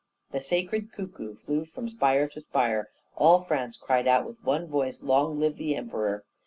The sacred cuckoo flew from spire to spire; all France cried out with one voice, 'LONG LIVE THE EMPEROR!'